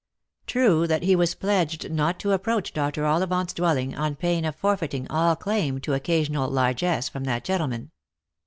True that he was pledged not to approach Dr. Ollivant' s dwelling on pain of forfeiting all claim to occa sional largesse from that gentleman.